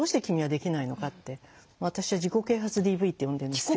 私は「自己啓発ＤＶ」って呼んでるんですけど。